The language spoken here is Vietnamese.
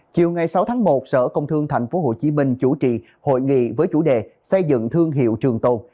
chiều sáu một sở công thương tp hcm chủ trì hội nghị với chủ đề xây dựng thương hiệu trường tồn